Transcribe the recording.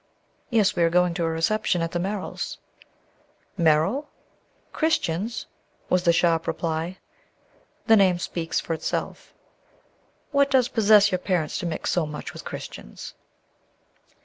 "Yes; we are going to a reception at the Merrills'." "Merrill? Christians?" was the sharp reply. "The name speaks for itself." "What does possess your parents to mix so much with Christians?"